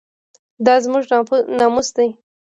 دا زموږ ناموس دی